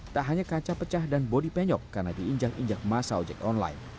tak hanya kaca pecah dan bodi penyok karena diinjang injak masa ojek online